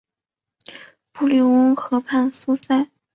布里翁河畔苏塞。